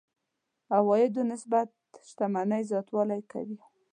عوایدو نسبت شتمنۍ زياتوالی کوي.